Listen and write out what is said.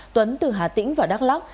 tuấn từ hà tĩnh vào đắk lắc